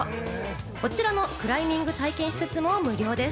こちらのクライミング体験施設も無料です。